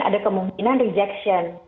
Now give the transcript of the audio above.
ada kemungkinan rejection